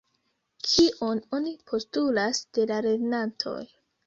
Kion oni postulas de la lernantoj?